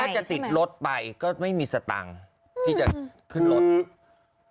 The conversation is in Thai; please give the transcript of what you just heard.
ถ้าจะติดรถไปก็ไม่มีสตังค์ที่จะขึ้นรถ